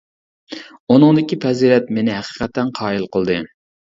ئۇنىڭدىكى پەزىلەت مېنى ھەقىقەتەن قايىل قىلدى.